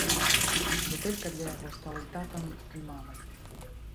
Бутэлька для яго стала і татам, і мамай.